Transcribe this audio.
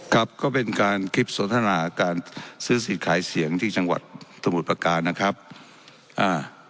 ครับก็เป็นการคลิปสนทนาการซื้อสิทธิ์ขายเสียงที่จังหวัดสมุทรประการนะครับอ่า